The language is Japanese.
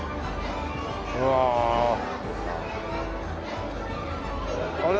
うわ。あれ？